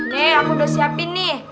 deh aku udah siapin nih